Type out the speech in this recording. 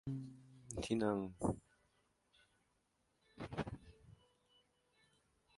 ที่นั่ง